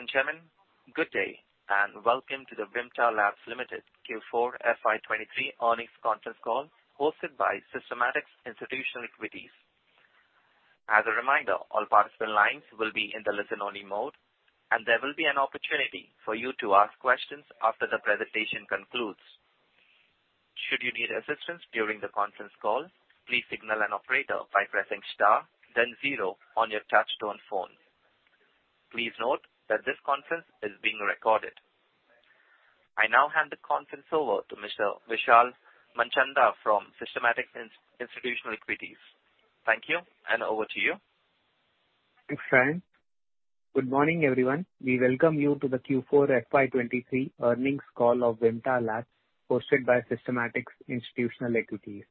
Ladies and gentlemen, good day and welcome to the Vimta Labs Limited Q4 FY 2023 earnings conference call hosted by Systematix Institutional Equities. As a reminder, all participant lines will be in the listen-only mode. There will be an opportunity for you to ask questions after the presentation concludes. Should you need assistance during the conference call, please signal an operator by pressing star then 0 on your touchtone phone. Please note that this conference is being recorded. I now hand the conference over to Mr. Vishal Manchanda from Systematix Institutional Equities. Thank you. Over to you. Thanks, Frank. Good morning, everyone. We welcome you to the Q4 FY 2023 earnings call of Vimta Labs, hosted by Systematix Institutional Equities.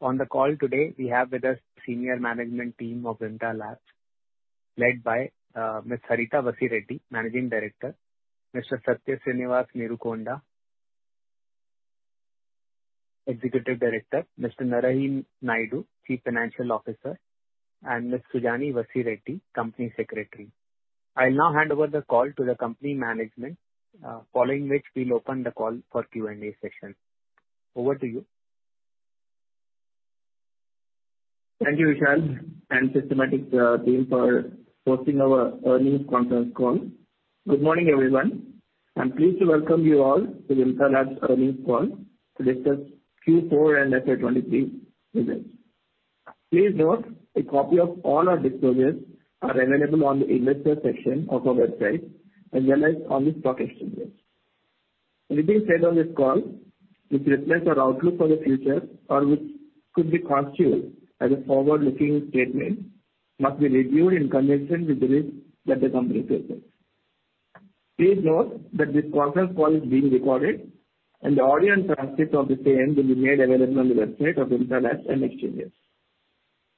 On the call today, we have with us senior management team of Vimta Labs, led by Ms. Harita Vasireddy, Managing Director, Mr. Satya Sreenivas Neerukonda, Executive Director, Mr. Narahari Naidu, Chief Financial Officer, and Ms. Sujani Vasireddy, Company Secretary. I'll now hand over the call to the company management, following which we'll open the call for Q&A session. Over to you. Thank you, Vishal and Systematic, team for hosting our earnings conference call. Good morning, everyone. I'm pleased to welcome you all to Vimta Labs earnings call to discuss Q4 and FY 2023 results. Please note a copy of all our disclosures are available on the investor section of our website and realized on the stock exchanges. Anything said on this call, which reflects our outlook for the future or which could be construed as a forward-looking statement, must be reviewed in connection with the risks that the company takes. Please note that this conference call is being recorded and the audio and transcript of the same will be made available on the website of Vimta Labs and exchanges.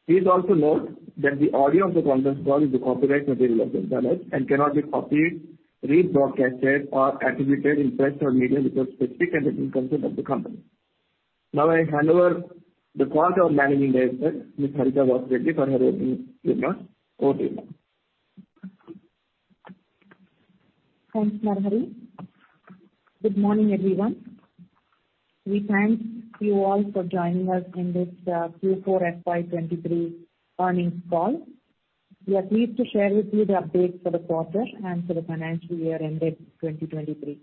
Please also note that the audio of the conference call is the copyright material of Vimta Labs and cannot be copied, rebroadcasted or attributed in press or media without specific and written consent of the company. I hand over the call to our Managing Director, Ms. Harita Vasireddy, for her opening remarks. Over to you. Thanks, Narahari. Good morning, everyone. We thank you all for joining us in this Q4 FY 2023 earnings call. We are pleased to share with you the updates for the quarter and for the financial year ended 2023.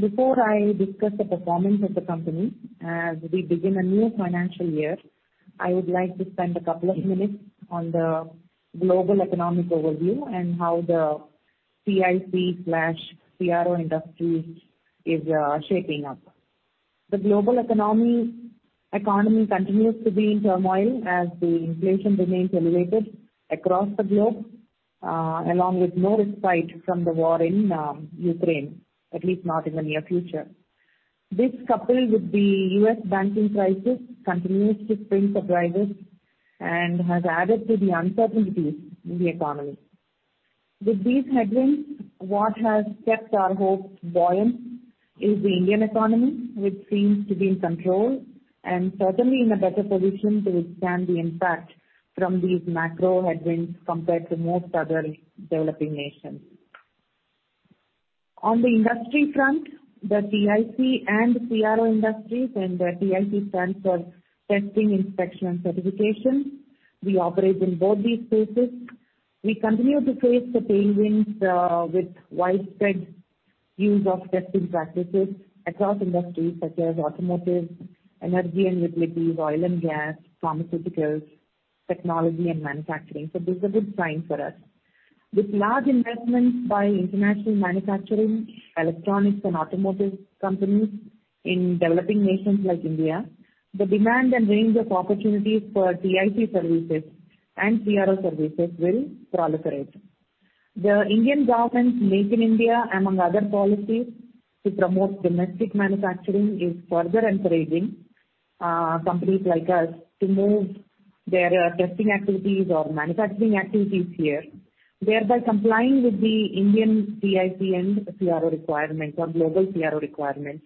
Before I discuss the performance of the company, as we begin a new financial year, I would like to spend a couple of minutes on the global economic overview and how the TIC/CRO industries is shaping up. The global economy continues to be in turmoil as the inflation remains elevated across the globe, along with no respite from the war in Ukraine, at least not in the near future. This, coupled with the U.S. banking crisis, continues to spring surprises and has added to the uncertainties in the economy. With these headwinds, what has kept our hopes buoyant is the Indian economy, which seems to be in control and certainly in a better position to withstand the impact from these macro headwinds compared to most other developing nations. On the industry front, the TIC and CRO industries and the TIC stands for Testing, Inspection and Certification. We operate in both these spaces. We continue to face the tailwinds with widespread use of testing practices across industries such as automotive, energy and utilities, oil and gas, pharmaceuticals, technology and manufacturing. This is a good sign for us. With large investments by international manufacturing, electronics and automotive companies in developing nations like India, the demand and range of opportunities for TIC services and CRO services will proliferate. The Indian government's Make in India, among other policies to promote domestic manufacturing, is further encouraging companies like us to move their testing activities or manufacturing activities here, thereby complying with the Indian TIC and CRO requirements or global CRO requirements.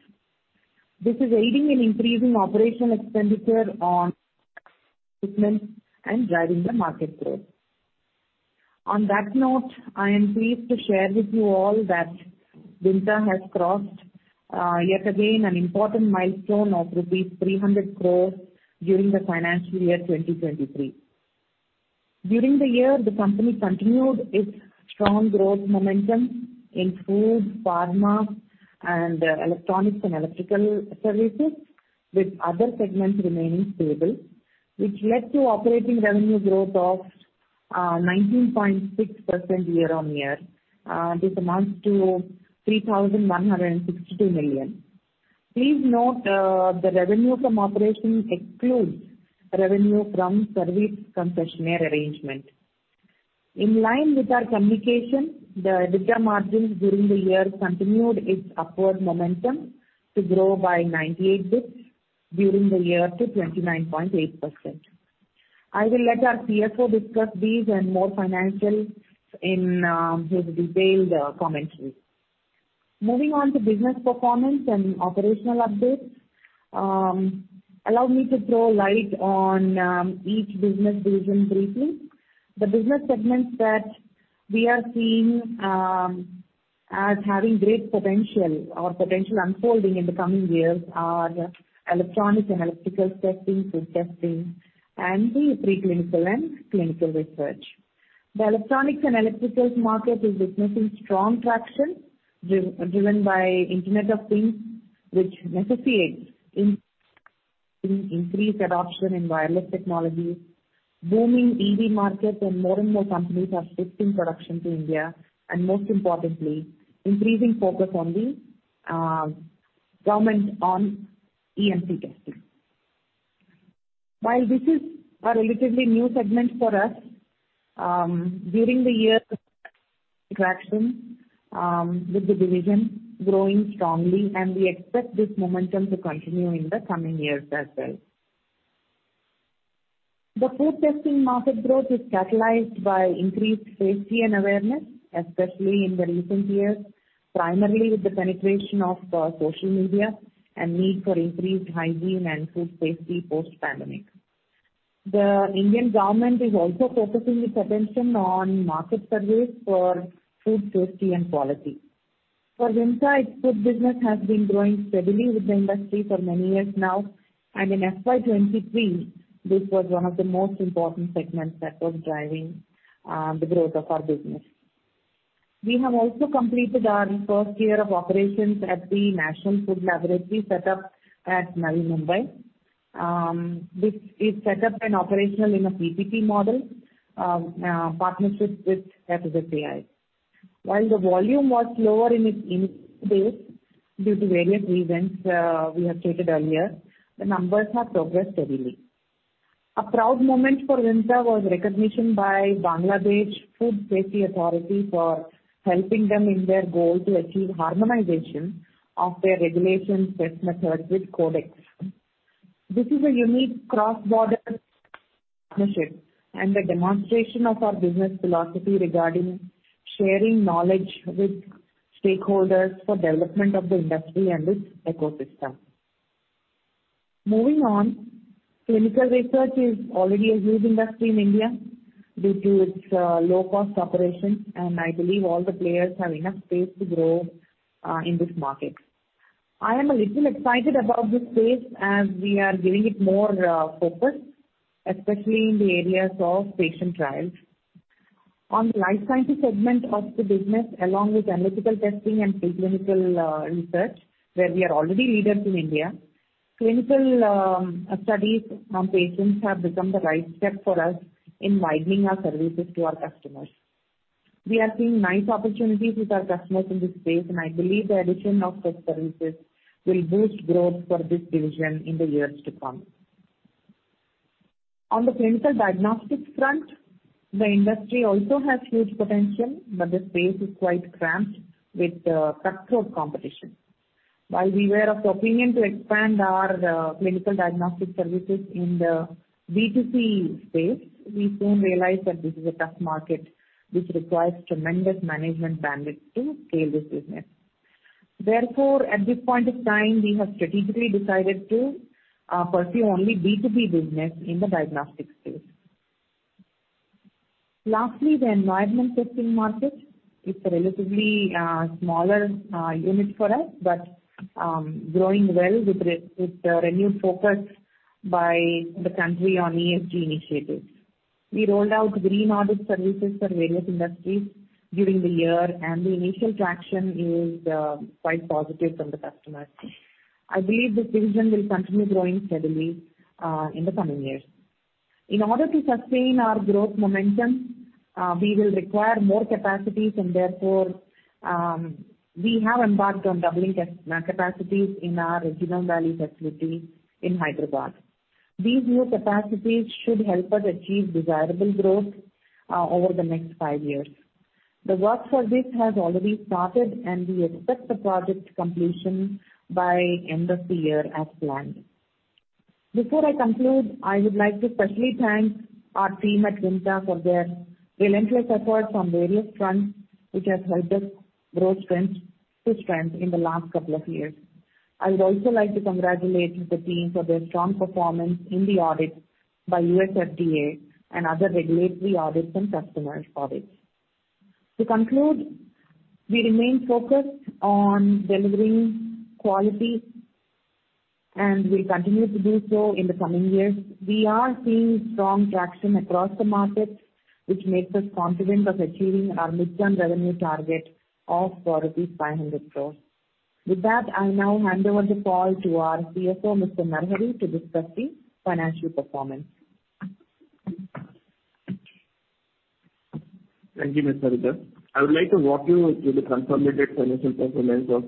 This is aiding an increase in operational expenditure on equipment and driving the market growth. On that note, I am pleased to share with you all that Vimta Labs has crossed yet again an important milestone of INR 300 crores during the financial year 2023. During the year, the company continued its strong growth momentum in foods, pharma and Electronics & Electrical services, with other segments remaining stable, which led to operating revenue growth of 19.6% year-on-year. This amounts to 3,162 million. Please note, the revenue from operations excludes revenue from service concession arrangement. In line with our communication, the EBITDA margins during the year continued its upward momentum to grow by 98 basis points during the year to 29.8%. I will let our CFO discuss these and more financials in his detailed commentary. Moving on to business performance and operational updates. Allow me to throw light on each business division briefly. The business segments that we are seeing as having great potential or potential unfolding in the coming years are Electronics & Electrical testing, food testing, and the preclinical and clinical research. Electronics & Electricals market is witnessing strong traction driven by Internet of Things, which necessitates increased adoption in wireless technology, booming EV market, more and more companies are shifting production to India. Most importantly, increasing focus on the government on EMC testing. While this is a relatively new segment for us, during the year, traction with the division growing strongly. We expect this momentum to continue in the coming years as well. Food testing market growth is catalyzed by increased safety and awareness, especially in the recent years, primarily with the penetration of social media and need for increased hygiene and food safety post-pandemic. Indian government is also focusing its attention on market surveys for food safety and quality. For Vimta, its food business has been growing steadily with the industry for many years now, and in FY 2023, this was one of the most important segments that was driving the growth of our business. We have also completed our first year of operations at the National Food Laboratory set up at Navi Mumbai. This is set up and operational in a PPP model partnership with FSSAI. While the volume was lower in its base due to various reasons, we have stated earlier, the numbers have progressed steadily. A proud moment for Vimta was recognition by Bangladesh Food Safety Authority for helping them in their goal to achieve harmonization of their regulation test methods with Codex. This is a unique cross-border partnership and a demonstration of our business philosophy regarding sharing knowledge with stakeholders for development of the industry and its ecosystem. Moving on. Clinical research is already a huge industry in India due to its low cost operation, and I believe all the players have enough space to grow in this market. I am a little excited about this space as we are giving it more focus, especially in the areas of patient trials. On the life sciences segment of the business, along with analytical testing and preclinical research, where we are already leaders in India, clinical studies on patients have become the right step for us in widening our services to our customers. We are seeing nice opportunities with our customers in this space, and I believe the addition of such services will boost growth for this division in the years to come. On the clinical diagnostics front, the industry also has huge potential, but the space is quite cramped with cutthroat competition. While we were of opinion to expand our clinical diagnostic services in the B2C space, we soon realized that this is a tough market which requires tremendous management bandwidth to scale this business. Therefore, at this point in time, we have strategically decided to pursue only B2B business in the diagnostics space. Lastly, the environment testing market is a relatively smaller unit for us, but growing well with the renewed focus by the country on ESG initiatives. We rolled out green audit services for various industries during the year, and the initial traction is quite positive from the customers. I believe this division will continue growing steadily in the coming years. In order to sustain our growth momentum, we will require more capacities, and therefore, we have embarked on doubling capacities in our Genome Valley facility in Hyderabad. These new capacities should help us achieve desirable growth over the next five years. The work for this has already started, and we expect the project completion by end of the year as planned. Before I conclude, I would like to specially thank our team at Vimta for their relentless efforts on various fronts, which has helped us grow strength to strength in the last couple of years. I would also like to congratulate the team for their strong performance in the audit by USFDA and other regulatory audits and customers' audits. To conclude, we remain focused on delivering quality, and we'll continue to do so in the coming years. We are seeing strong traction across the market, which makes us confident of achieving our midterm revenue target of rupees 500 crores. With that, I now hand over the call to our CFO, Mr. Narhari, to discuss the financial performance. Thank you, Miss Harita. I would like to walk you through the consolidated financial performance of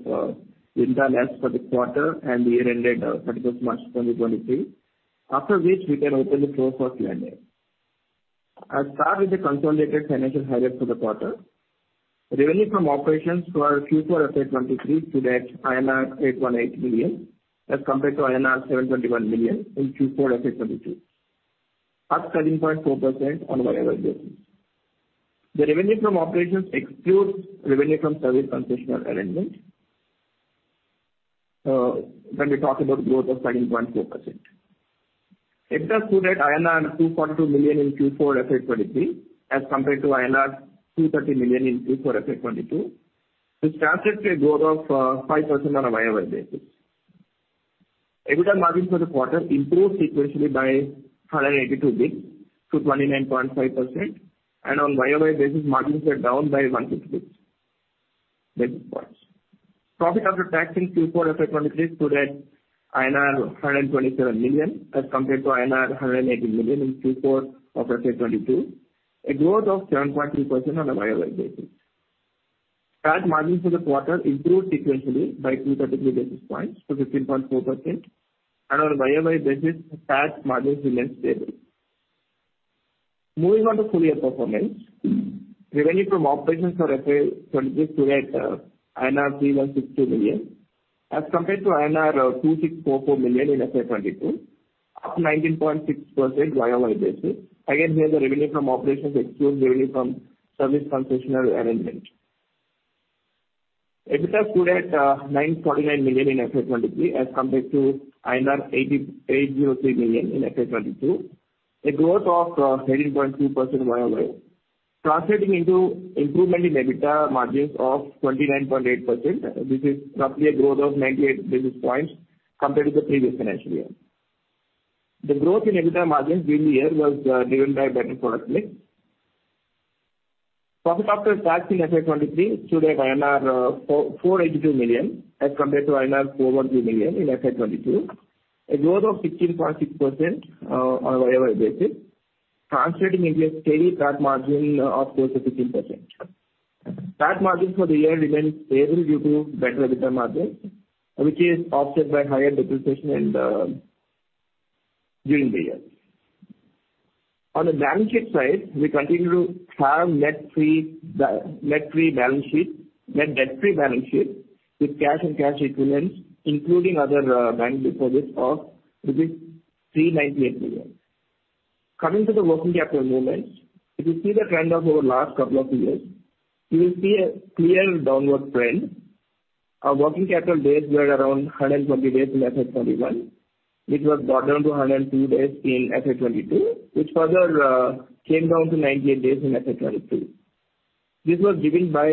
Vimta Labs for the quarter and the year ended 31st March 2023, after which we can open the floor for Q&A. I'll start with the consolidated financial highlights for the quarter. Revenue from operations for Q4 FY23 stood at INR 818 million, as compared to INR 721 million in Q4 FY22. Up 17.4% on YOY basis. The revenue from operations excludes revenue from service concession arrangement, when we talk about growth of 17.4%. EBITDA stood at INR 2.2 million in Q4 FY23, as compared to INR 230 million in Q4 FY22. This translates a growth of 5% on a YOY basis. EBITDA margin for the quarter improved sequentially by 182 basis points to 29.5%. On YOY basis, margins were down by 150 basis points. Basis points. Profit after tax in Q4 FY23 stood at INR 127 million as compared to INR 180 million in Q4 of FY22, a growth of 7.2% on a YOY basis. Tax margins for the quarter improved sequentially by 233 basis points to 15.4%. On a YOY basis, tax margins remained stable. Moving on to full year performance. Revenue from operations for FY23 stood at 3,162 million as compared to INR 2,644 million in FY22, up 19.6% YOY basis. Again, here the revenue from operations excludes revenue from service concession arrangement. EBITDA stood at 949 million in FY 2023 as compared to 803 million in FY 2022, a growth of 13.2% YOY. Translating into improvement in EBITDA margins of 29.8%. This is roughly a growth of 98 basis points compared to the previous financial year. The growth in EBITDA margins during the year was driven by better product mix. Profit after tax in FY 2023 stood at INR 482 million as compared to INR 413 million in FY 2022, a growth of 16.6% on a YOY basis, translating into a steady tax margin of 4-15%. Tax margins for the year remained stable due to better EBITDA margins, which is offset by higher depreciation and during the year. On the balance sheet side, we continue to have net free balance sheet, net debt-free balance sheet with cash and cash equivalents, including other bank deposits of rupees 398 million. Coming to the working capital movement. If you see the trend over last couple of years, you will see a clear downward trend. Our working capital days were around 120 days in FY 2021, which was brought down to 102 days in FY 2022, which further came down to 98 days in FY 2023. This was driven by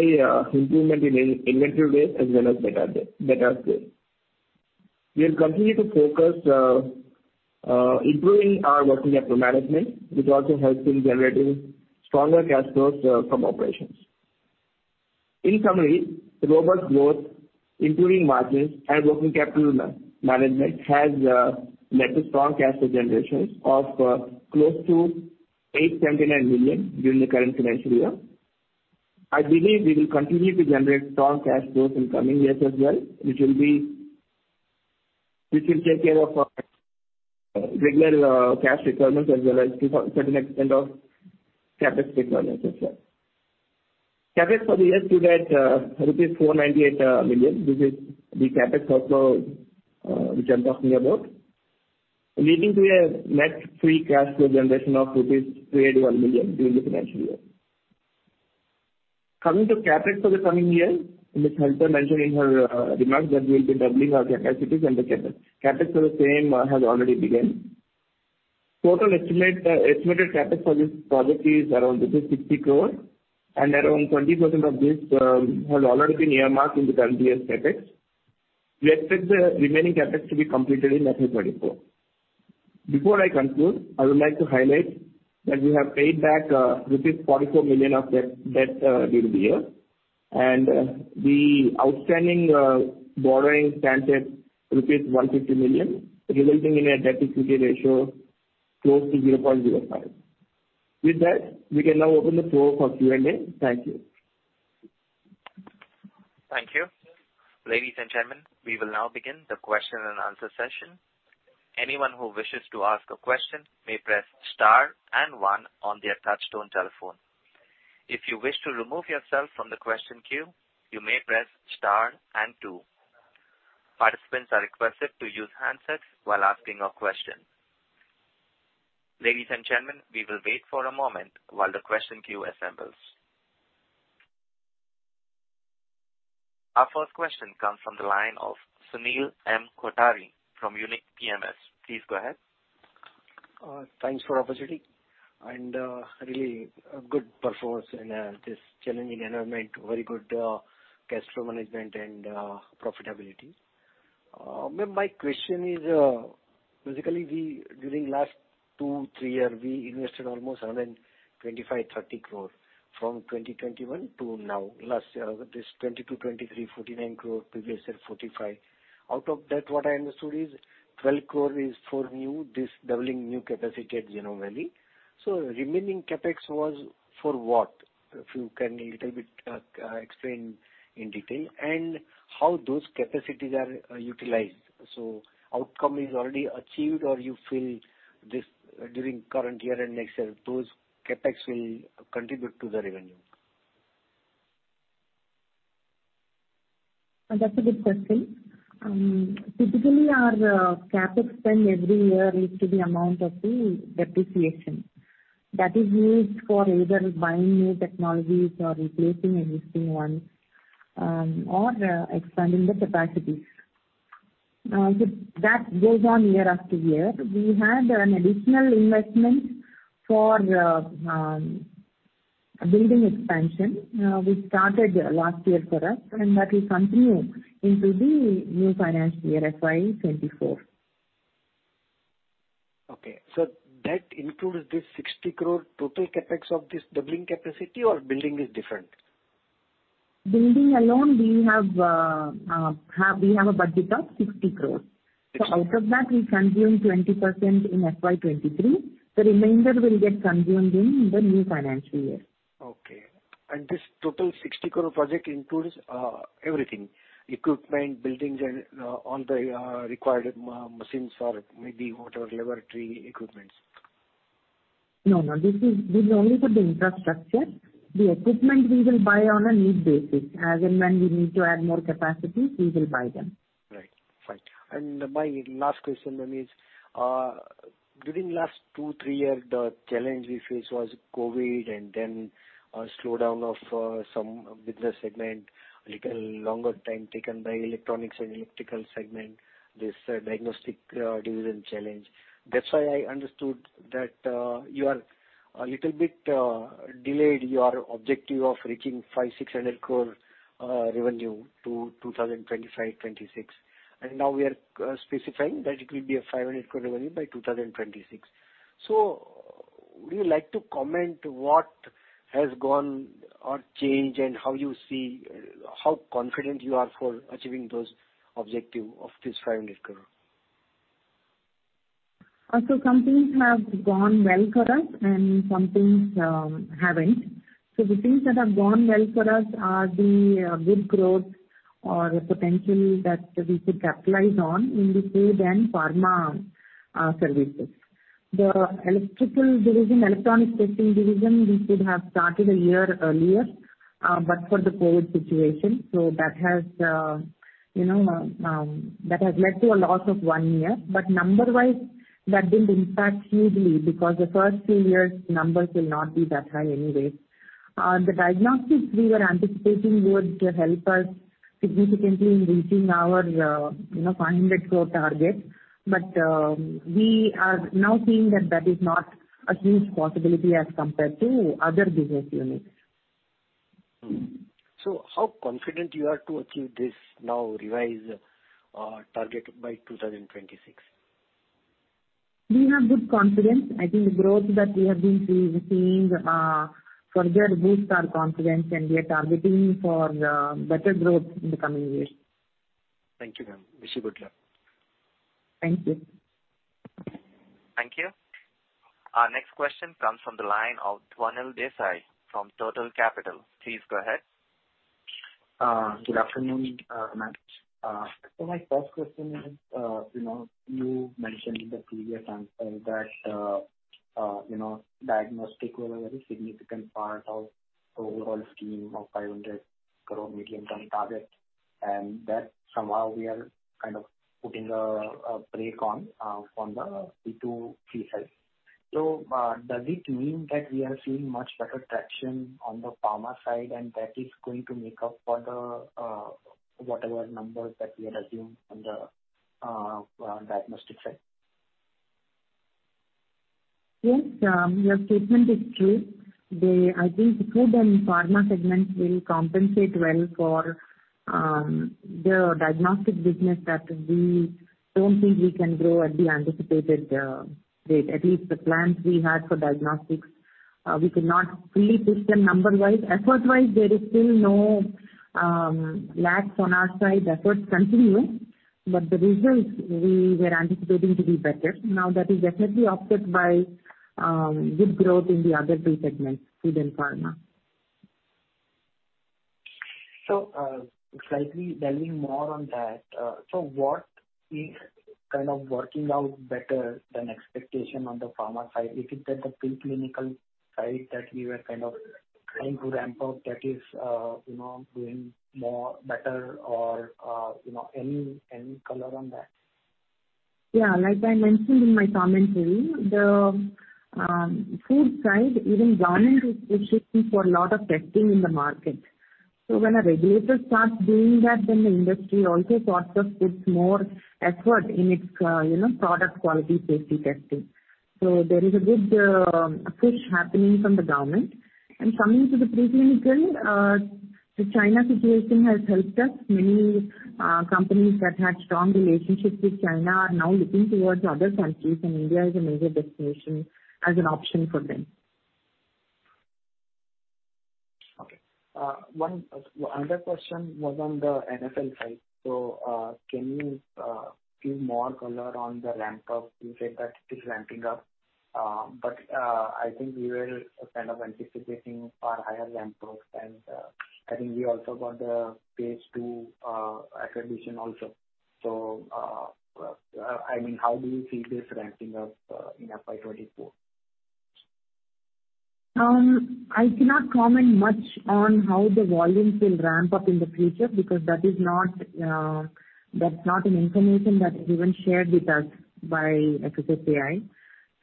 improvement in inventory days as well as better days. We have continued to focus improving our working capital management, which also helps in generating stronger cash flows from operations. In summary, robust growth, improving margins and working capital management has led to strong cash flow generations of close to 879 million during the current financial year. I believe we will continue to generate strong cash flows in coming years as well, which will take care of regular cash requirements as well as to certain extent of CapEx requirements as well. CapEx for the year stood at rupees 498 million. This is the CapEx also which I'm talking about, leading to a net free cash flow generation of rupees 381 million during the financial year. CapEx for the coming year, Ms. Harita mentioned in her remarks that we will be doubling our capacities and the CapEx. CapEx for the same has already begun. Total estimate, estimated CapEx for this project is around 60 crore and around 20% of this has already been earmarked in the current year's CapEx. We expect the remaining CapEx to be completed in FY 2024. Before I conclude, I would like to highlight that we have paid back rupees 44 million of debt during the year. The outstanding borrowing stands at rupees 150 million, resulting in a debt to equity ratio close to 0.05. With that, we can now open the floor for Q&A. Thank you. Thank you. Ladies and gentlemen, we will now begin the question-and-answer session. Anyone who wishes to ask a question may press star and one on their touchtone telephone. If you wish to remove yourself from the question queue, you may press star and two. Participants are requested to use handsets while asking a question. Ladies and gentlemen, we will wait for a moment while the question queue assembles. Our first question comes from the line of Sunil M. Kothari from Unique PMS. Please go ahead. Thanks for opportunity and really good performance in this challenging environment. Very good cash flow management and profitability. My question is, basically we during last two, three year, we invested almost 725-30 crore from 2021 to now. Last year this 2022, 2023, 49 crore, previous year 45 crore. Out of that what I understood is 12 crore is for new, this doubling new capacity at Genome Valley. Remaining CapEx was for what? If you can a little bit explain in detail and how those capacities are utilized. Outcome is already achieved or you feel this during current year and next year those CapEx will contribute to the revenue? That's a good question. Typically our CapEx spend every year is to the amount of the depreciation. That is used for either buying new technologies or replacing existing ones, or expanding the capacities. That goes on year after year. We had an additional investment for building expansion, which started last year for us, and that will continue into the new financial year, FY 2024. Okay. That includes this 60 crore total CapEx of this doubling capacity or building is different? Building alone we have a budget of 60 crores. Okay. Out of that we consume 20% in FY 2023. The remainder will get consumed in the new financial year. Okay. This total 60 crore project includes everything. Equipment, buildings, and all the required machines or maybe whatever laboratory equipment. No, no. This is only for the infrastructure. The equipment we will buy on a need basis. As and when we need to add more capacity, we will buy them. Right. Fine. My last question then is, during last two, three years, the challenge we faced was COVID and then a slowdown of some business segment, little longer time taken by Electronics and Electrical segment, this diagnostic division challenge. That's why I understood that you are a little bit delayed your objective of reaching 500 crore-600 crore revenue to 2025, 2026. Now we are specifying that it will be a 500 crore revenue by 2026. Would you like to comment what has gone or changed and how confident you are for achieving those objective of this 500 crore? Some things have gone well for us and some things haven't. The things that have gone well for us are the good growth or potential that we could capitalize on in the food and pharma services. The electrical division, electronic testing division, we could have started 1 year earlier, but for the COVID situation. That has, you know, that has led to a loss of one year. Number wise, that didn't impact hugely because the first few years numbers will not be that high anyways. The diagnostics we were anticipating would help us significantly in reaching our, you know, 500 crore target. We are now seeing that that is not a huge possibility as compared to other business units. How confident you are to achieve this now revised target by 2026? We have good confidence. I think the growth that we have been seeing, further boosts our confidence. We are targeting for better growth in the coming years. Thank you, ma'am. Wish you good luck. Thank you. Thank you. Our next question comes from the line of Dhwanil Desai from Turtle Capital. Please go ahead. Good afternoon, ma'am. My first question is, you know, you mentioned in the previous answer that, you know, diagnostic was a very significant part of the overall scheme of 500 crore medium-term target, and that somehow we are kind of putting a break on the B2C side. Does it mean that we are seeing much better traction on the pharma side and that is going to make up for the whatever numbers that we had assumed on the diagnostic side? Yes, your statement is true. I think food and pharma segment will compensate well for the diagnostic business that we don't think we can grow at the anticipated rate. At least the plans we had for diagnostics, we could not fully push them number-wise. Effort-wise there is still no lacks on our side. Efforts continue. The results we were anticipating to be better. That is definitely offset by good growth in the other two segments, food and pharma. Slightly delving more on that. What is kind of working out better than expectation on the pharma side? Is it that the preclinical side that we were kind of trying to ramp up that is, you know, doing more better or, you know, any color on that? Yeah. Like I mentioned in my commentary, the food side, even government is pushing for a lot of testing in the market. When a regulator starts doing that, then the industry also sort of puts more effort in its, you know, product quality safety testing. There is a good push happening from the government. Coming to the preclinical, the China situation has helped us. Many companies that had strong relationships with China are now looking towards other countries, and India is a major destination as an option for them. Okay. Another question was on the E&E side. Can you give more color on the ramp up? You said that it is ramping up. I think we were kind of anticipating a higher ramp up. I think we also got the page two accreditation also. I mean, how do you see this ramping up in FY 2024? I cannot comment much on how the volumes will ramp up in the future because that is not, that's not an information that is even shared with us by FSSAI.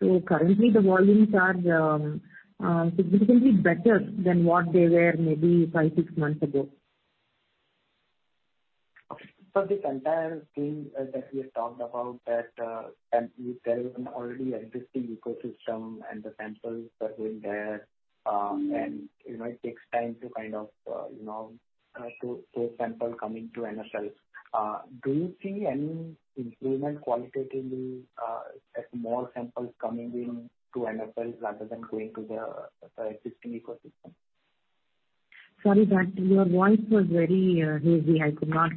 Currently the volumes are significantly better than what they were maybe 5, 6 months ago. Okay. This entire thing, that we had talked about that, can be selling already existing ecosystem and the samples that went there. you know, it takes time to kind of, you know, to sample coming to E&E. Do you see any improvement qualitatively, as more samples coming in to E&E rather than going to the existing ecosystem? Sorry, but your voice was very hazy. I could not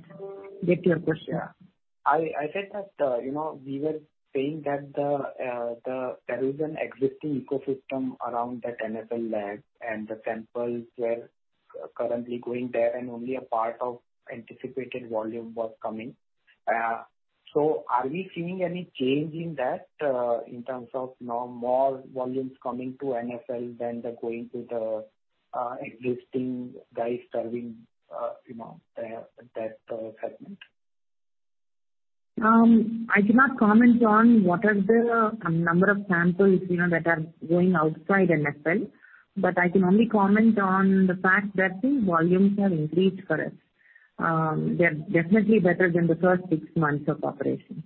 get your question. Yeah. I said that, you know, we were saying that the there is an existing ecosystem around that E&E lab and the samples were currently going there and only a part of anticipated volume was coming. Are we seeing any change in that, in terms of now more volumes coming to E&E than the going to the existing guys serving, you know, that segment? I cannot comment on what are the number of samples, you know, that are going outside E&E, but I can only comment on the fact that the volumes have increased for us. They're definitely better than the first six months of operation.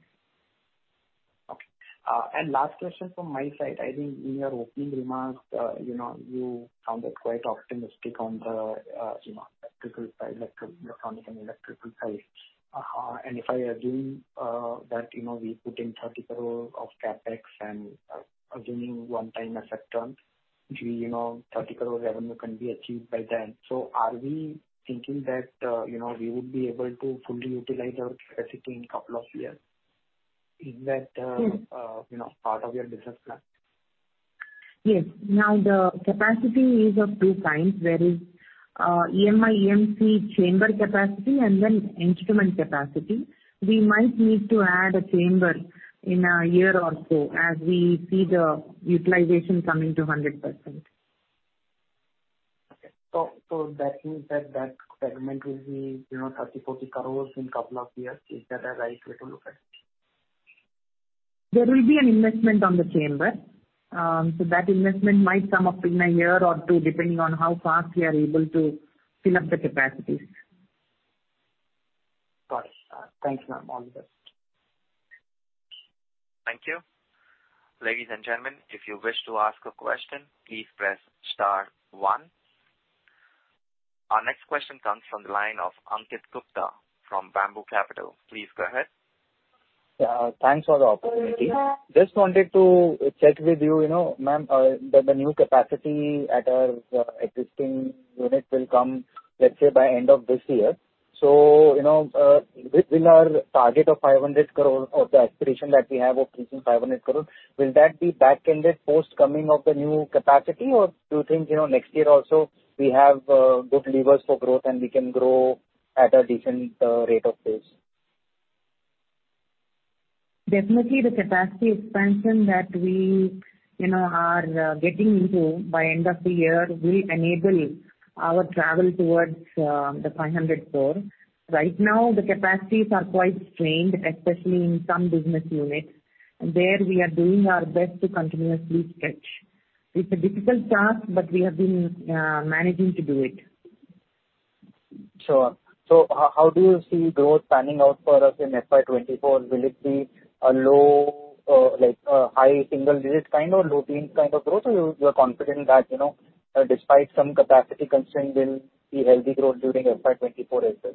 Okay. Last question from my side. I think in your opening remarks, you know, you sounded quite optimistic on the, you know, electrical side, electronic and electrical side. If I assume that, you know, we put in 30 crore of CapEx and, assuming one time effect on, you know, 30 crore revenue can be achieved by then. Are we thinking that, you know, we would be able to fully utilize our capacity in couple of years? Is that? you know, part of your business plan? Yes. Now the capacity is of two kinds. There is EMI/EMC chamber capacity and then instrument capacity. We might need to add a chamber in a year or so as we see the utilization coming to 100%. Okay. That means that that segment will be, you know, 30-40 crores in couple of years. Is that a right way to look at it? There will be an investment on the chamber. That investment might come up in a year or two, depending on how fast we are able to fill up the capacities. Got it. Thanks, ma'am. All the best. Thank you. Ladies and gentlemen, if you wish to ask a question, please press star one. Our next question comes from the line of Ankit Gupta from BAM Capital. Please go ahead. Yeah. Thanks for the opportunity. Just wanted to check with you know, ma'am, the new capacity at our existing unit will come, let's say by end of this year. You know, within our target of 500 crore or the aspiration that we have of reaching 500 crore, will that be backended post coming of the new capacity? Do you think, you know, next year also we have good levers for growth and we can grow at a decent rate of pace? Definitely the capacity expansion that we, you know, are getting into by end of the year will enable our travel towards the 500 crore. Right now, the capacities are quite strained, especially in some business units. There we are doing our best to continuously stretch. It's a difficult task. We have been managing to do it. Sure. How do you see growth panning out for us in FY 2024? Will it be a low or like a high single digit kind or low teen kind of growth? Or you are confident that, you know, despite some capacity constraints we'll see healthy growth during FY 2024 as well?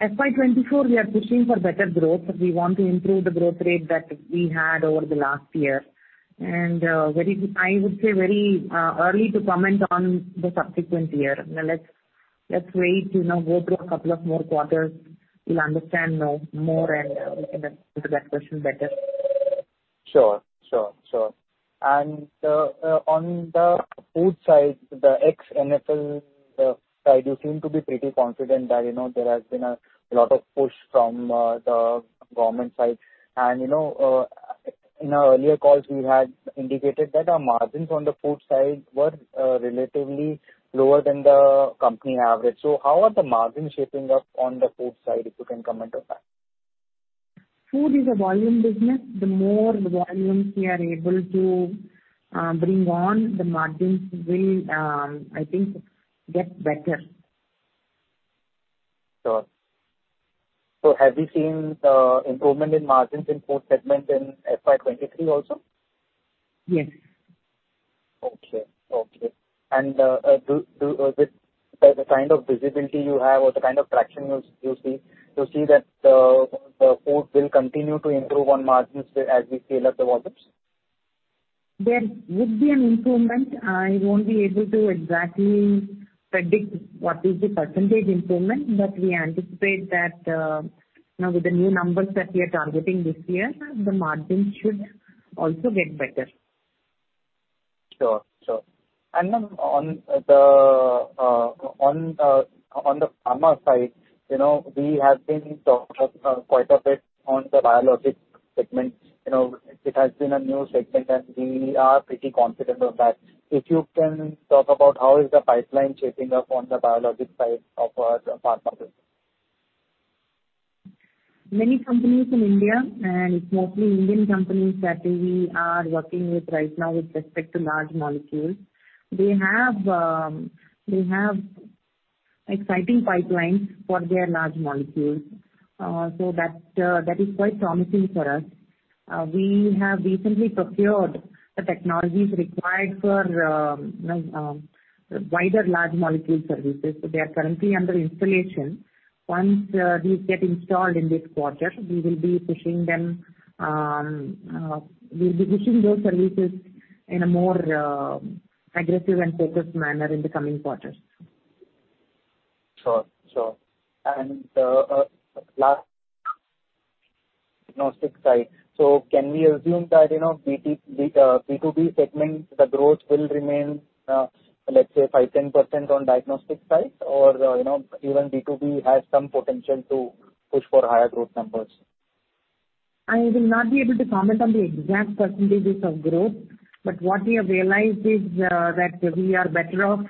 FY 2024 we are pushing for better growth. We want to improve the growth rate that we had over the last year. Very early to comment on the subsequent year. Now let's wait, you know, go through a couple of more quarters. We'll understand more and we can answer that question better. Sure. Sure, sure. On the food side, the ex-E&E side, you seem to be pretty confident that, you know, there has been a lot of push from the government side. You know, in our earlier calls you had indicated that our margins on the food side were relatively lower than the company average. How are the margins shaping up on the food side, if you can comment on that? Food is a volume business. The more volumes we are able to bring on, the margins will, I think, get better. Sure. Have you seen, improvement in margins in food segment in FY 23 also? Yes. Okay. do with the kind of visibility you have or the kind of traction you'll see that, the food will continue to improve on margins as we scale up the volumes? There would be an improvement. I won't be able to exactly predict what is the percentage improvement, but we anticipate that, you know, with the new numbers that we are targeting this year, the margins should also get better. Sure. Sure. On the pharma side, you know, we have been talking quite a bit on the biologic segment. You know, it has been a new segment and we are pretty confident of that. If you can talk about how is the pipeline shaping up on the biologic side of Pharmasense. Many companies in India and mostly Indian companies that we are working with right now with respect to large molecules. They have exciting pipelines for their large molecules. That, that is quite promising for us. We have recently procured the technologies required for wider large molecule services. They are currently under installation. Once these get installed in this quarter, we'll be pushing those services in a more aggressive and focused manner in the coming quarters. Sure. Sure. Last diagnostic side. Can we assume that, you know, B2B segment, the growth will remain, let's say 5-10% on diagnostic side or, you know, even B2B has some potential to push for higher growth numbers? I will not be able to comment on the exact percentages of growth. What we have realized is that we are better off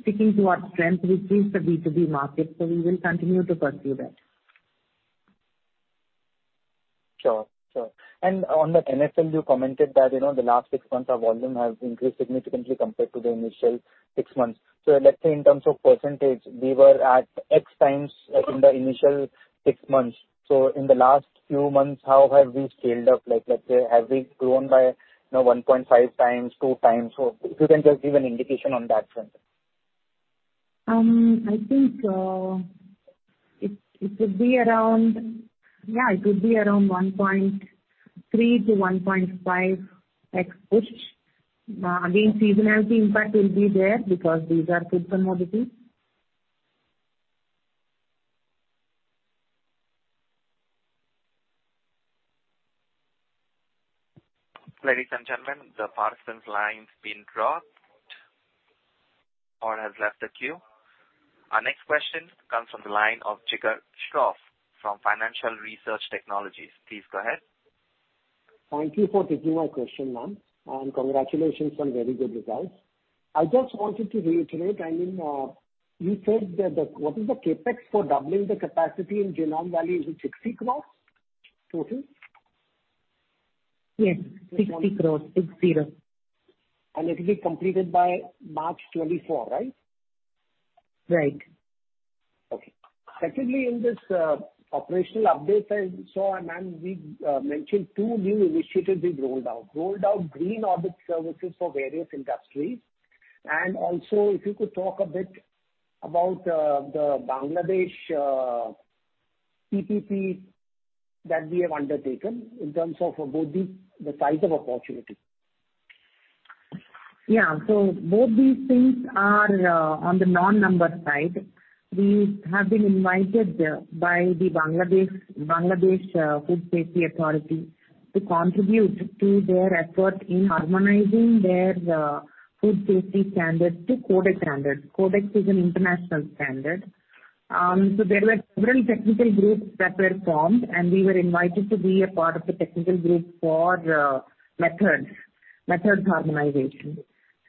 sticking to our strength, which is the B2B market. We will continue to pursue that. Sure. Sure. On the E&E you commented that, you know, the last six months our volume has increased significantly compared to the initial six months. In terms of percentage, we were at X times in the initial six months. In the last few months, how have we scaled up? Like, let's say, have we grown by, you know, 1.5x, 2x? If you can just give an indication on that front. I think it would be around 1.3x-1.5x push. Again, seasonality impact will be there because these are food commodities. Ladies and gentlemen, the participant line has been dropped or has left the queue. Our next question comes from the line of Jigar Shah from Financial Research & Technologies. Please go ahead. Thank you for taking my question, ma'am, and congratulations on very good results. I just wanted to reiterate, I mean, What is the CapEx for doubling the capacity in Genome Valley? Is it INR 60 crores total? Yes. 60 crores. Six zero. It'll be completed by March 2024, right? Right. Okay. Secondly, in this operational update I saw, and, ma'am, we mentioned 2 new initiatives we've rolled out. Rolled out green audit services for various industries. If you could talk a bit about the Bangladesh PPP that we have undertaken in terms of both the size of opportunity? Yeah. Both these things are on the non-number side. We have been invited by the Bangladesh Food Safety Authority to contribute to their effort in harmonizing their food safety standards to Codex standards. Codex is an international standard. There were several technical groups that were formed, and we were invited to be a part of the technical group for methods harmonization.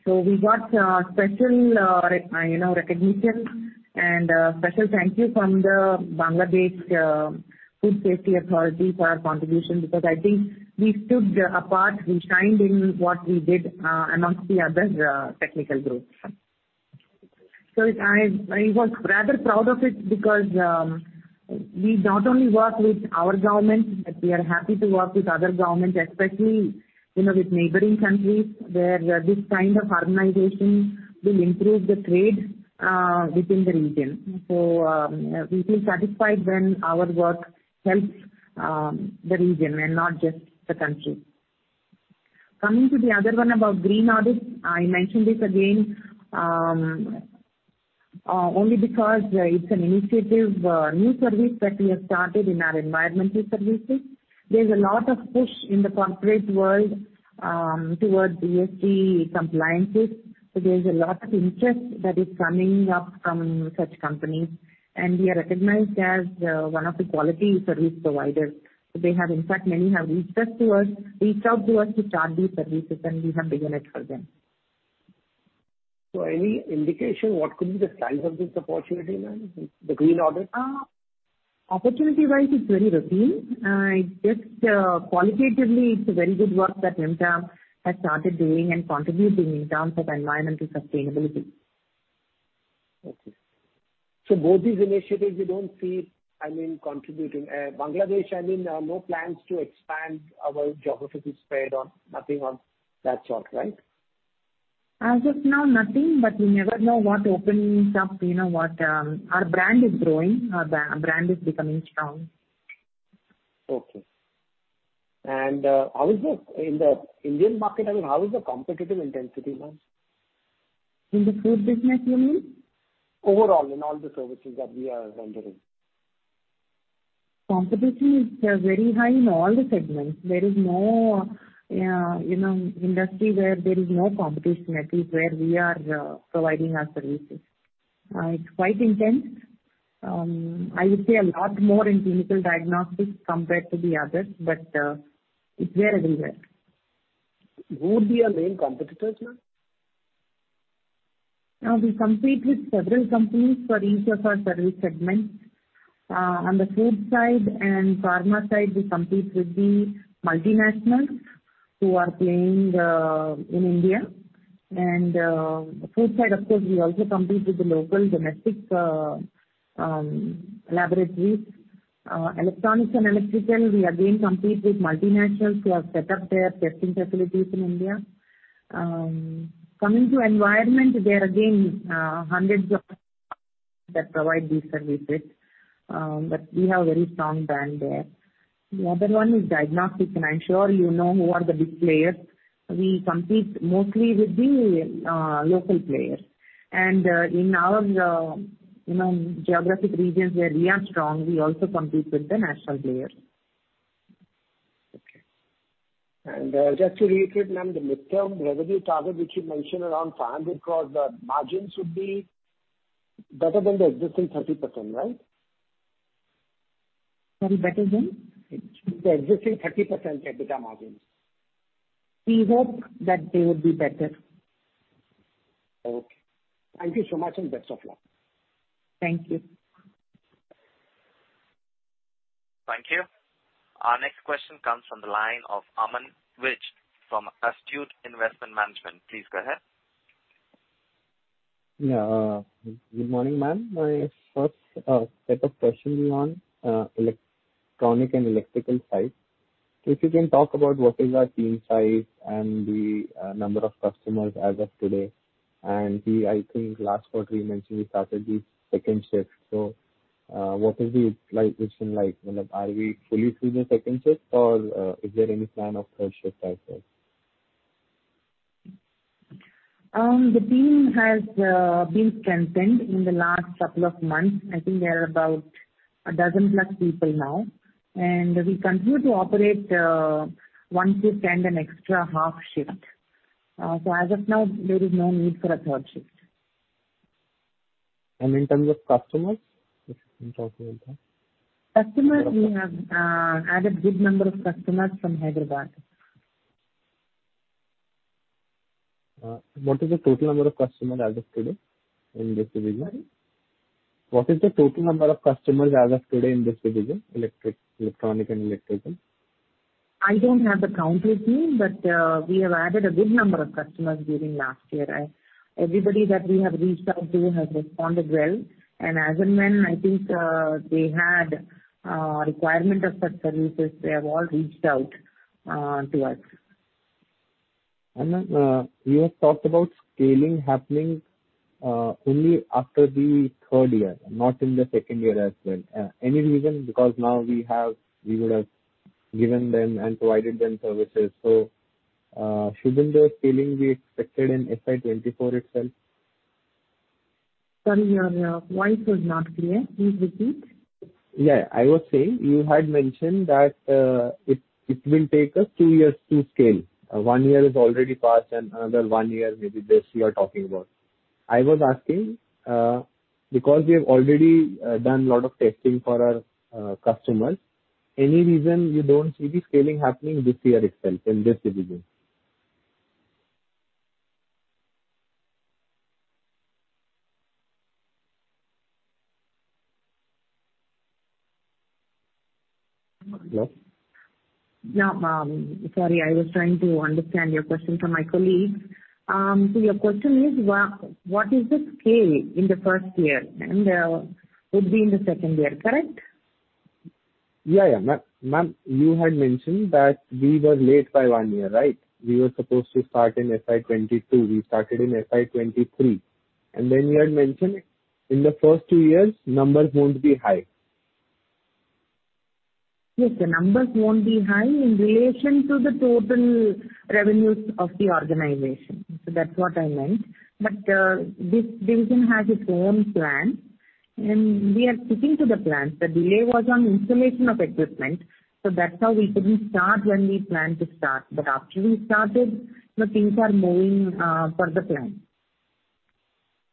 We got special, you know, recognition and special thank you from the Bangladesh Food Safety Authority for o ur contribution, because I think we stood apart. We shined in what we did amongst the other technical groups. ud of it because we not only work with our government, but we are happy to work with other governments, especially, you know, with neighboring countries, where this kind of harmonization will improve the trade within the region. We feel satisfied when our work helps the region and not just the country. Coming to the other one about green audit, I mention this again only because it's an initiative, a new service that we have started in our environmental services. There's a lot of push in the corporate world towards ESG compliances. There's a lot of interest that is coming up from such companies, and we are recognized as one of the quality service providers. They have... Many have reached out to us to chart these services, and we have begun it for them. Any indication what could be the size of this opportunity, ma'am, the green audit? Opportunity wise, it's very rookie. Just, qualitatively, it's a very good work that Vimta has started doing and contributing in terms of environmental sustainability. Okay. Both these initiatives you don't see, I mean, contributing, Bangladesh, I mean, no plans to expand our geographic spread or nothing of that sort, right? As of now, nothing. You never know what opens up. You know, what, Our brand is growing. Our brand is becoming strong. Okay. In the Indian market, I mean, how is the competitive intensity, ma'am? In the food business, you mean? Overall, in all the services that we are rendering. Competition is very high in all the segments. There is no, you know, industry where there is no competition, at least where we are providing our services. It's quite intense. I would say a lot more in clinical diagnostics compared to the others, but it's there everywhere. Who would be your main competitors, ma'am? We compete with several companies for each of our service segments. On the food side and pharma side, we compete with the multinationals who are playing in India. The food side, of course, we also compete with the local domestic laboratories. Electronics and electrical, we again compete with multinationals who have set up their testing facilities in India. Coming to environment, there are again hundreds of that provide these services, but we have very strong brand there. The other one is diagnostics, and I'm sure you know who are the big players. We compete mostly with the local players. In our, you know, geographic regions where we are strong, we also compete with the national players. Okay. Just to reiterate, ma'am, the midterm revenue target which you mentioned around 500 crores, the margins would be better than the existing 30%, right? Sorry, better than? The existing 30% EBITDA margins. We hope that they would be better. Okay. Thank you so much. Best of luck. Thank you. Thank you. Our next question comes from the line of Aman Vij from Astute Investment Management. Please go ahead. Yeah. Good morning, ma'am. My first set of questions is on Electronic and Electrical side. If you can talk about what is our team size and the number of customers as of today. I think last quarter you mentioned you started the second shift. What is the pipe it's been like? You know, are we fully through the second shift or is there any plan of third shift as well? The team has been strengthened in the last couple of months. I think we are about a dozen plus people now. We continue to operate one shift and an extra half shift. As of now, there is no need for a third shift. In terms of customers, if you can talk a little about. Customers, we have added good number of customers from Hyderabad. What is the total number of customers as of today in this division, electric, electronic and electrical? I don't have the count with me, but, we have added a good number of customers during last year. Everybody that we have reached out to has responded well. As and when I think, they had, requirement of such services, they have all reached out to us. You have talked about scaling happening only after the 3rd year, not in the 2nd year as well. Any reason? Because now we would have given them and provided them services. Shouldn't the scaling be expected in FY 2024 itself? Sorry, Aman. Your voice was not clear. Please repeat. Yeah. I was saying you had mentioned that it will take us 2 years to scale. 1 year has already passed and another 1 year maybe this year talking about. I was asking because we have already done lot of testing for our customers, any reason you don't see the scaling happening this year itself in this division? Hello? Sorry. I was trying to understand your question from my colleague. Your question is, what is the scale in the first year and would be in the second year, correct? Yeah, yeah. Ma'am, you had mentioned that we were late by one year, right? We were supposed to start in FY 2022. We started in FY 2023. Then you had mentioned in the first two years numbers won't be high. Yes. The numbers won't be high in relation to the total revenues of the organization. That's what I meant. This division has its own plan, and we are sticking to the plan. The delay was on installation of equipment, that's how we couldn't start when we planned to start. After we started, the things are moving per the plan.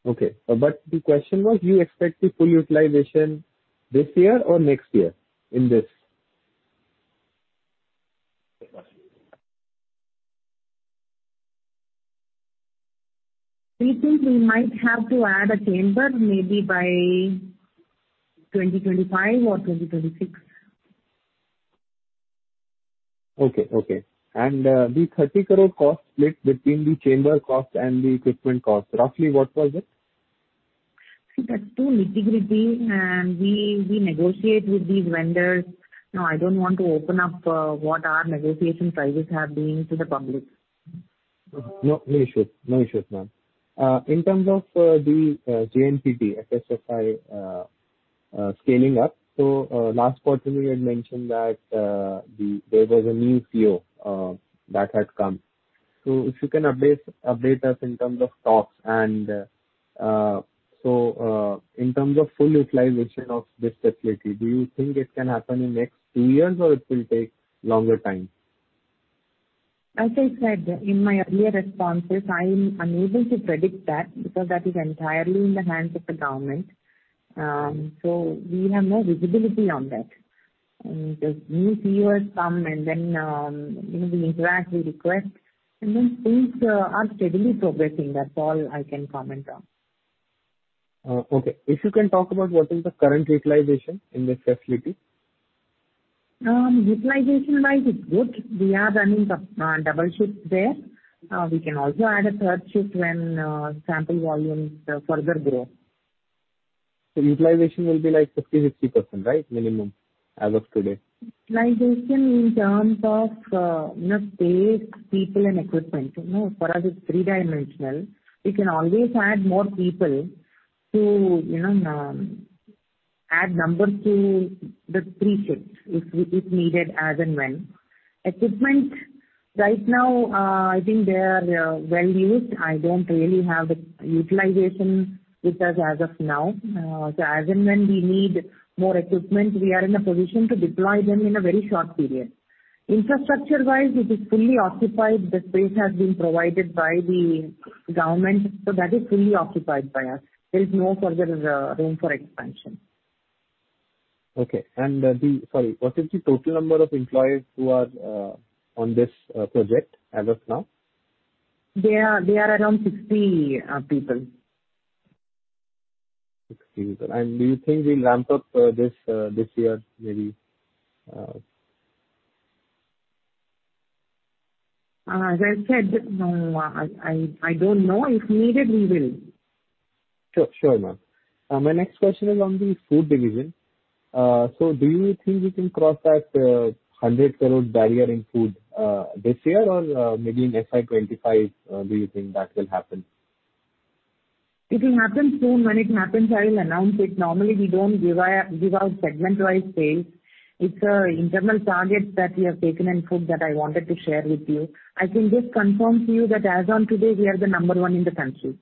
Okay. The question was, do you expect the full utilization this year or next year in this? We think we might have to add a chamber maybe by 2025 or 2026. Okay, okay. The 30 crore cost split between the chamber cost and the equipment cost, roughly what was it? See, that's too nitty-gritty, and we negotiate with these vendors. No, I don't want to open up what our negotiation prices have been to the public. No, no issues. No issues, ma'am. In terms of the GNPD SSFI scaling up, Last quarter you had mentioned that there was a new CEO that had come. If you can update us in terms of stocks and, in terms of full utilization of this facility, do you think it can happen in next 2 years or it will take longer time? As I said in my earlier responses, I am unable to predict that because that is entirely in the hands of the government. We have no visibility on that. As new peers come and then, you know, we interact, we request, and then things are steadily progressing. That's all I can comment on. Okay. If you can talk about what is the current utilization in this facility. Utilization-wise it's good. We are running the double shift there. We can also add a third shift when sample volumes further grow. Utilization will be like 50%, 60%, right, minimum as of today? Utilization in terms of, you know, space, people and equipment. You know, for us it's three-dimensional. We can always add more people to, you know, add numbers to the three shifts if needed as and when. Equipment right now, I think they are, well used. I don't really have the utilization with us as of now. As and when we need more equipment, we are in a position to deploy them in a very short period. Infrastructure wise it is fully occupied. The space has been provided by the government, so that is fully occupied by us. There is no further, room for expansion. Okay. Sorry. What is the total number of employees who are on this project as of now? They are around 60 people. 60 people. Do you think we'll ramp up, this year, maybe? As I said, no, I don't know. If needed, we will. Sure. Sure, ma'am. My next question is on the food division. Do you think you can cross that 100 crore barrier in food this year or maybe in FY 25, do you think that will happen? It will happen soon. When it happens, I will announce it. Normally, we don't give out segment-wise sales. It's an internal target that we have taken in food that I wanted to share with you. I can just confirm to you that as on today, we are the number one in the country.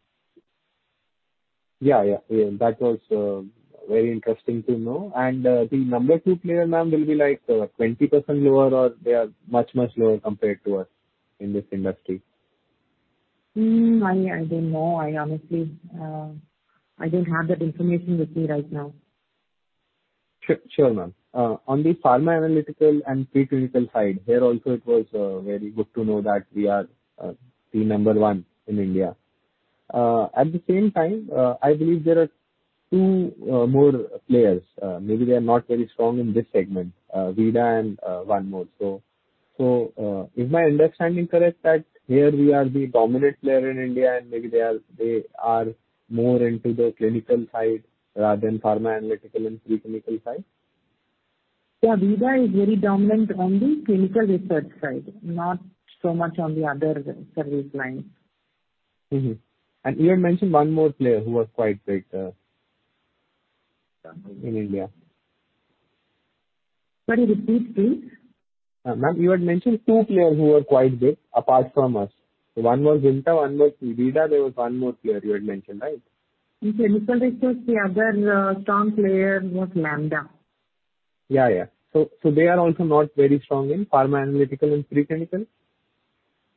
Yeah, yeah. That was very interesting to know. The number two player, ma'am, will be like, 20% lower or they are much, much lower compared to us in this industry? I don't know. I honestly, I don't have that information with me right now. Su-sure, ma'am. On the pharma analytical and preclinical side, there also it was very good to know that we are the number one in India. At the same time, I believe there are two more players, maybe they are not very strong in this segment, Veeda and one more. Is my understanding correct that here we are the dominant player in India and maybe they are, they are more into the clinical side rather than pharma analytical and preclinical side? Yeah. Veeda is very dominant on the clinical research side, not so much on the other service lines. You had mentioned one more player who was quite big in India. Sorry, repeat please. Ma'am, you had mentioned two players who were quite big apart from us. One was Ginta, one was Veeda. There was one more player you had mentioned, right? In clinical research, the other strong player was Lambda. Yeah. They are also not very strong in pharma analytical and preclinical?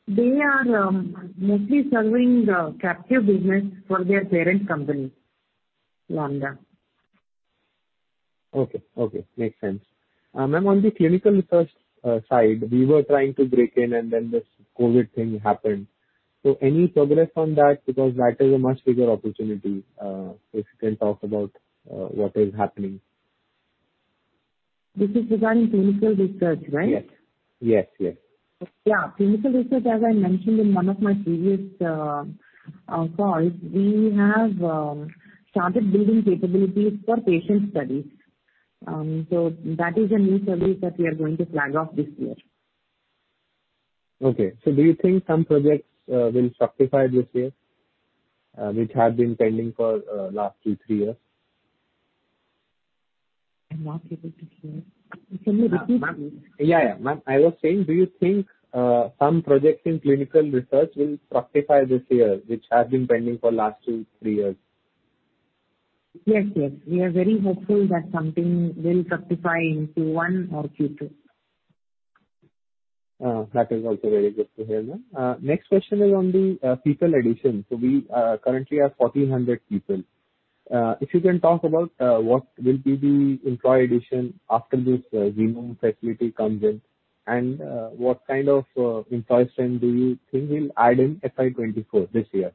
They are mostly serving the captive business for their parent company, Lambda. Okay. Okay, makes sense. Ma'am, on the clinical research side, we were trying to break in and then this COVID thing happened. Any progress on that? Because that is a much bigger opportunity. If you can talk about, what is happening. This is regarding clinical research, right? Yes. Yes. Yes. Yeah. Clinical research, as I mentioned in one of my previous calls, we have started building capabilities for patient studies. That is a new service that we are going to flag off this year. Okay. Do you think some projects will fructify this year, which have been pending for last two, three years? I'm not able to hear. Can you repeat please? Yeah, yeah. Ma'am, I was saying, do you think, some projects in clinical research will fructify this year, which have been pending for last two, three years? Yes. Yes. We are very hopeful that something will fructify into 1 or 2 trips. That is also very good to hear, ma'am. Next question is on the people addition. We currently have 1,400 people. If you can talk about what will be the employee addition after this new facility comes in, and what kind of employee strength do you think we'll add in FY 2024, this year?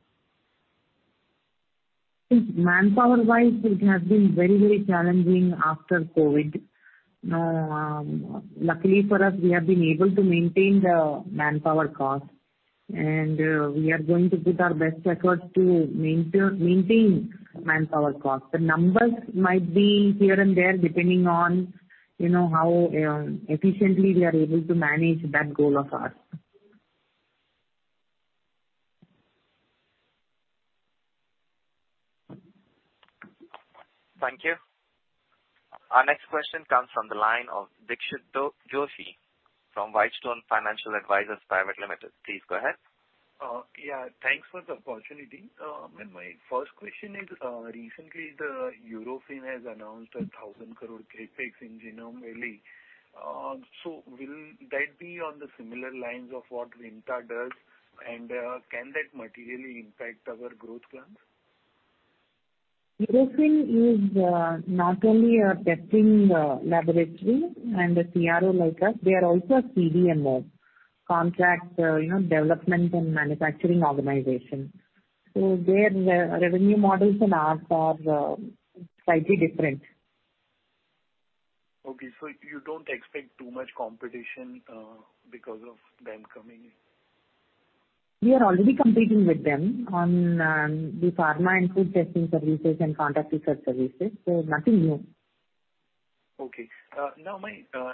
Manpower-wise it has been very, very challenging after COVID. Luckily for us, we have been able to maintain the manpower cost, and we are going to put our best efforts to maintain manpower cost. The numbers might be here and there depending on, you know, how efficiently we are able to manage that goal of ours. Thank you. Our next question comes from the line of Dikshit Joshi from Whitestone Financial Advisors Private Limited. Please go ahead. Yeah, thanks for the opportunity. My first question is, recently the Eurofins has announced 1,000 crore CapEx in Genome Valley. Will that be on the similar lines of what Vimta does? Can that materially impact our growth plans? Eurofins is, not only a testing, laboratory and a CRO like us. They are also a CDMO. Contract, you know, development and manufacturing organization. Their re-revenue models and ours are, slightly different. Okay. You don't expect too much competition, because of them coming in. We are already competing with them on the pharma and food testing services and contract research services. Nothing new. Okay. Now,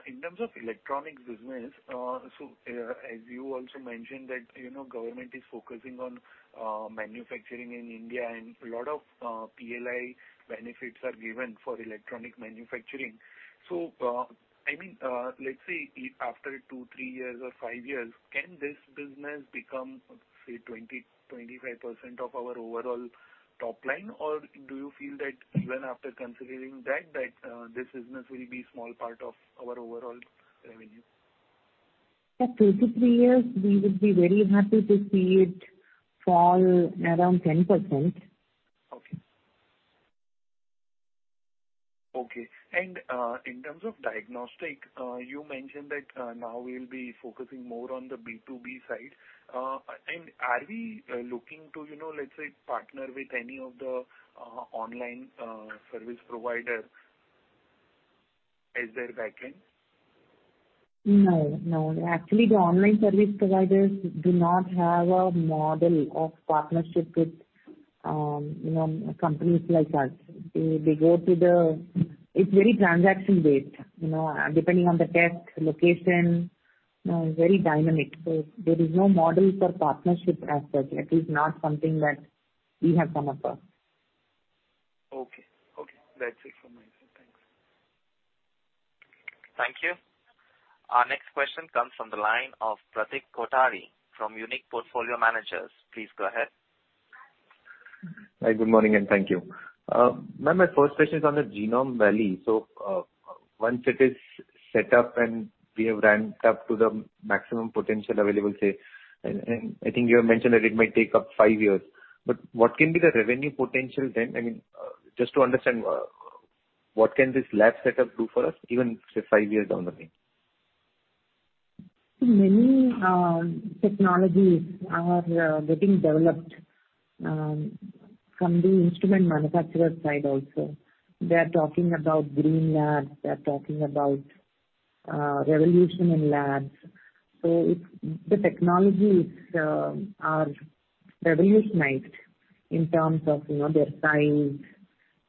in terms of electronic business. As you also mentioned that, you know, government is focusing on manufacturing in India, a lot of PLI benefits are given for electronic manufacturing. I mean, let's say if after two, three years or five years, can this business become, say, 20-25% of our overall top line? Do you feel that even after considering that, this business will be small part of our overall revenue? At 2-3 years, we would be very happy to see it fall around 10%. Okay. Okay. In terms of diagnostic, you mentioned that now we'll be focusing more on the B2B side. Are we looking to, you know, let's say partner with any of the online service provider as their back end? No, no. Actually, the online service providers do not have a model of partnership with, you know, companies like us. They. It's very transaction based, you know, depending on the test location, very dynamic. There is no model for partnership as such. At least not something that we have come across. Okay. Okay. That's it from my side. Thanks. Thank you. Our next question comes from the line of Pratik Kothari from Unique Portfolio Managers. Please go ahead. Hi, good morning, thank you. Ma'am, my first question is on the Genome Valley. Once it is set up and we have ramped up to the maximum potential available, say, and I think you have mentioned that it might take up 5 years. What can be the revenue potential then? I mean, just to understand, what can this lab setup do for us, even, say, five years down the line? Many technologies are getting developed from the instrument manufacturer side also. They are talking about green labs. They are talking about revolution in labs. The technologies are revolutionized in terms of, you know, their size,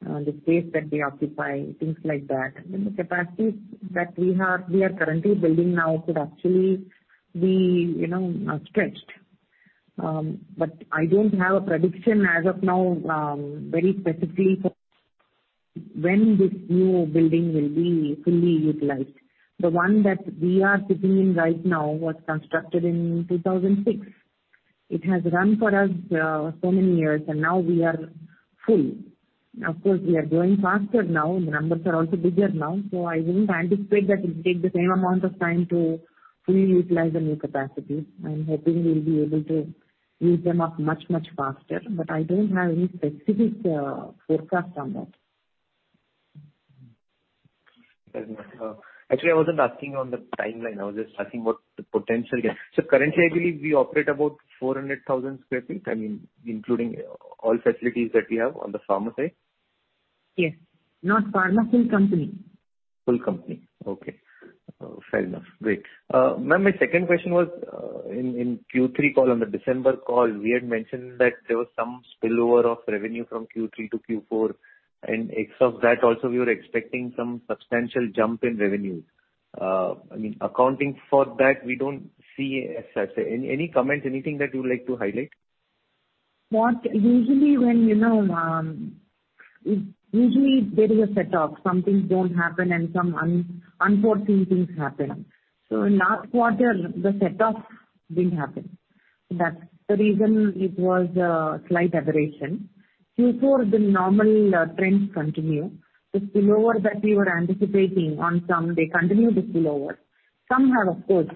the space that they occupy, things like that. The capacities that we have, we are currently building now could actually be, you know, stretched. I don't have a prediction as of now, very specifically for when this new building will be fully utilized. The one that we are sitting in right now was constructed in 2006. It has run for us so many years, and now we are full. Of course, we are growing faster now. The numbers are also bigger now. I wouldn't anticipate that it'll take the same amount of time to fully utilize the new capacity. I'm hoping we'll be able to use them up much, much faster. I don't have any specific forecast on that. Fair enough. Actually, I wasn't asking on the timeline. I was just asking what the potential... Currently, I believe we operate about 400,000 sq ft. I mean, including all facilities that we have on the pharma side. Yes. Not pharma, full company. Full company. Okay. Fair enough. Great. Ma'am, my second question was, in Q3 call, on the December call, we had mentioned that there was some spillover of revenue from Q3 to Q4. Ex of that also we were expecting some substantial jump in revenue. I mean, accounting for that we don't see as such. Any comments, anything that you would like to highlight? Usually when, you know, usually there is a setup. Some things don't happen and some unforeseen things happen. In last quarter, the setup didn't happen. That's the reason it was a slight aberration. Q4 the normal trends continue. The spillover that we were anticipating on some, they continue to spill over. Some have of course,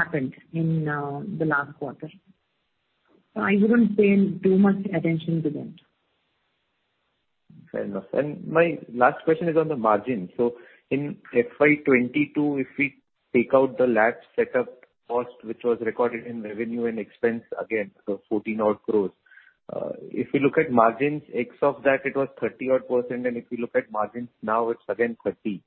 happened in the last quarter. I wouldn't pay too much attention to them. Fair enough. My last question is on the margin. In FY 2022, if we take out the lab setup cost, which was recorded in revenue and expense again, 14 odd crores. If we look at margins, ex of that, it was 30 odd %. If you look at margins now, it's again 30%.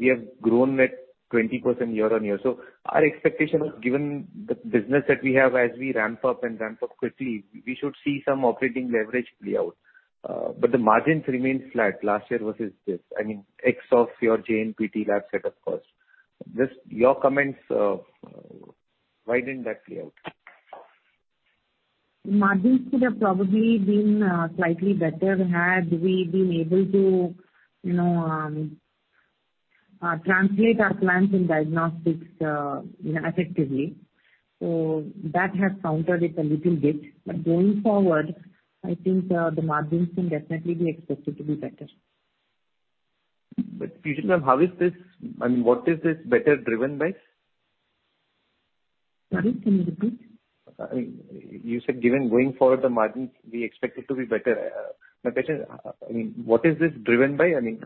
We have grown at 20% year-on-year. Our expectation was, given the business that we have as we ramp up and ramp up quickly, we should see some operating leverage play out. The margins remained flat last year versus this. I mean, ex of your JNPT lab setup costs. Just your comments, why didn't that play out? Margins could have probably been slightly better had we been able to, you know, translate our plans in diagnostics effectively. That has countered it a little bit. Going forward, I think, the margins can definitely be expected to be better. Harita ma'am how is this... I mean, what is this better driven by? Pardon. Can you repeat? I mean, you said given going forward the margins we expect it to be better. That is, I mean, what is this driven by? I mean.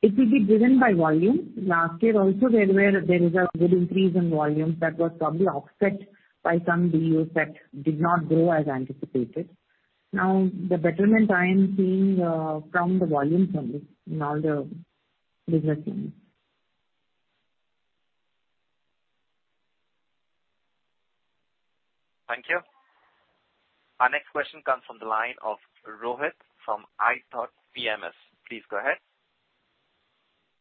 It will be driven by volume. Last year also there is a good increase in volume that was probably offset by some deals that did not grow as anticipated. The betterment I am seeing, from the volumes only in all the business units. Thank you. Our next question comes from the line of Rohit from iThought PMS. Please go ahead.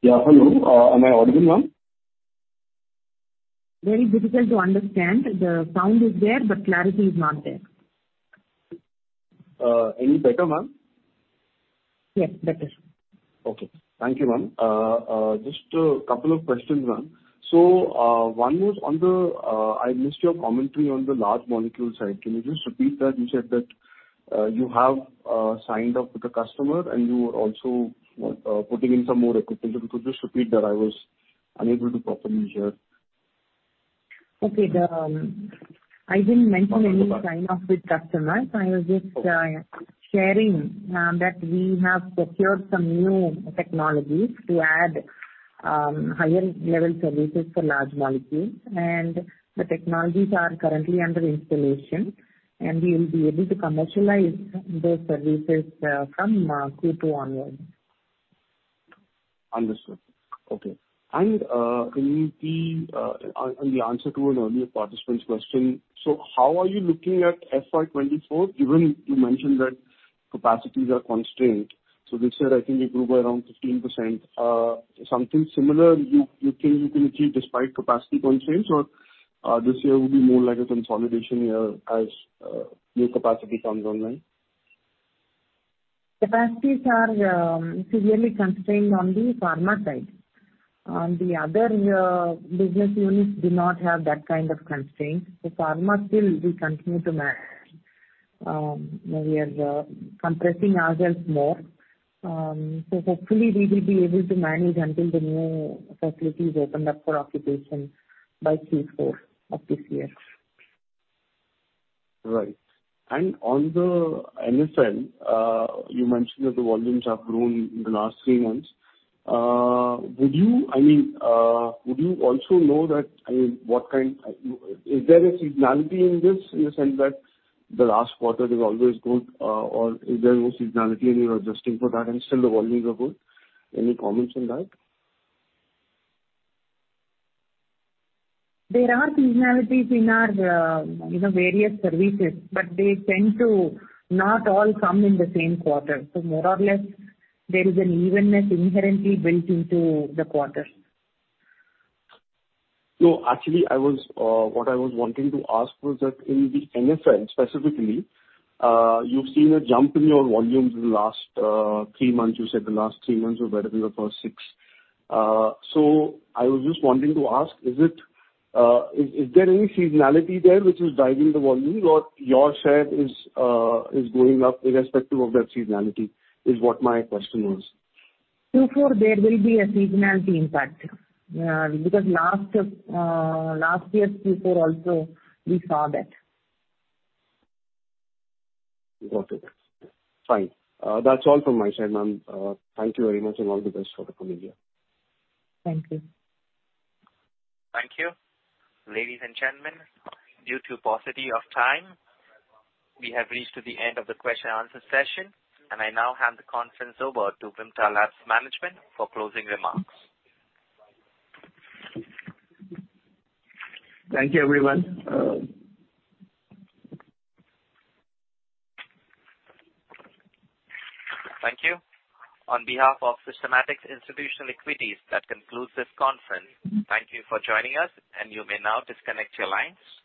Hello. Am I audible, ma'am? Very difficult to understand. The sound is there, but clarity is not there. Any better, ma'am? Yes, better. Okay. Thank you, ma'am. Just a couple of questions, ma'am. One was on the I missed your commentary on the large molecule side. Can you just repeat that? You said that, you have signed up with a customer and you are also putting in some more equipment. If you could just repeat that. I was unable to properly hear. Okay. I didn't mention any sign off with customers. Okay. I was just sharing that we have secured some new technologies to add higher level services for large molecules. The technologies are currently under installation, and we will be able to commercialize those services from Q2 onwards. Understood. Okay. In the answer to an earlier participant's question. How are you looking at FY 2024, given you mentioned that capacities are constrained. This year I think you grew by around 15%. Something similar you think you can achieve despite capacity constraints or this year will be more like a consolidation year as new capacity comes online? Capacities are severely constrained on the pharma side. The other business units do not have that kind of constraint. Pharma still we continue to compress ourselves more. Hopefully we will be able to manage until the new facility is opened up for occupation by Q4 of this year. Right. On the NSL, you mentioned that the volumes have grown in the last three months. I mean, would you also know that, I mean, what kind... Is there a seasonality in this in the sense that the last quarter is always good, or is there no seasonality and you are adjusting for that and still the volumes are good? Any comments on that? There are seasonalities in our, you know, various services. They tend to not all come in the same quarter. More or less there is an evenness inherently built into the quarters. No, actually, what I was wanting to ask was that in the NSL specifically, you've seen a jump in your volumes in the last three months. You said the last three months were better than the first six. I was just wanting to ask, is there any seasonality there which is driving the volume or your share is going up irrespective of that seasonality? Is what my question was. Q4 there will be a seasonality impact, because last year's Q4 also we saw that. Got it. Fine. That's all from my side, ma'am. Thank you very much and all the best for the coming year. Thank you. Thank you. Ladies and gentlemen, due to paucity of time, we have reached to the end of the question and answer session. I now hand the conference over to Vimta Labs management for closing remarks. Thank you, everyone. Thank you. On behalf of Systematix Institutional Equities, that concludes this conference. Thank you for joining us and you may now disconnect your lines.